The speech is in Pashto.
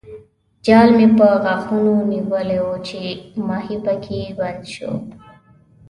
جال مې په غاښونو نیولی وو چې ماهي پکې بند شو.